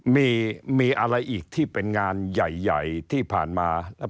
มีมีอะไรอีกที่เป็นงานใหญ่ที่ผ่านมา